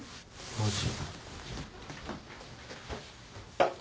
マジ？